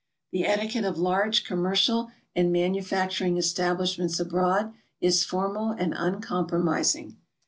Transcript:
The etiquette of large commercial and manufacturing establishments abroad is formal and uncompromising.